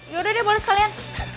yaudah deh boleh sekalian